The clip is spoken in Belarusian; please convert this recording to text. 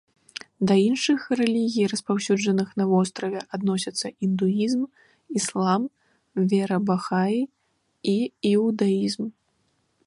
Да іншых рэлігій, распаўсюджаных на востраве, адносяцца індуізм, іслам, вера бахаі і іудаізм.